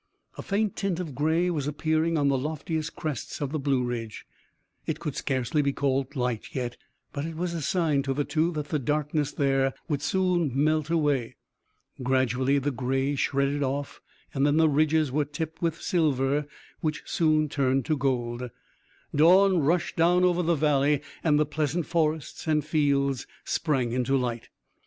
A faint tint of gray was appearing on the loftiest crests of the Blue Ridge. It could scarcely be called light yet, but it was a sign to the two that the darkness there would soon melt away. Gradually the gray shredded off and then the ridges were tipped with silver which soon turned to gold. Dawn rushed down over the valley and the pleasant forests and fields sprang into light.